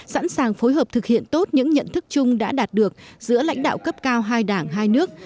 sẵn sàng phối hợp thực hiện tốt những nhận thức chung đã đạt được giữa lãnh đạo cấp cao hai đảng hai nước